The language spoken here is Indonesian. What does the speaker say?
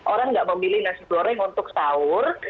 orang nggak memilih nasi goreng untuk sahur